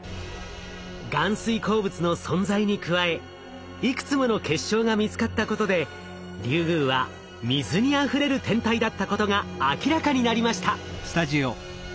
含水鉱物の存在に加えいくつもの結晶が見つかったことでリュウグウは水にあふれる天体だったことが明らかになりました。